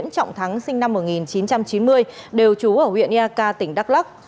trọng thắng sinh năm một nghìn chín trăm chín mươi đều trú ở huyện ia ca tỉnh đắk lắc